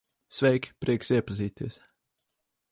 Sveiki, prieks iepazīties.